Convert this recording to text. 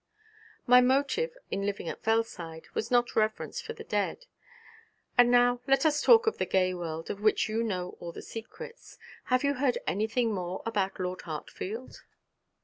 'My motive in living at Fellside was not reverence for the dead. And now let us talk of the gay world, of which you know all the secrets. Have you heard anything more about Lord Hartfield?'